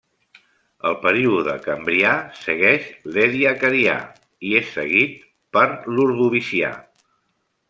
El període Cambrià segueix l'Ediacarià i és seguit per l'Ordovicià.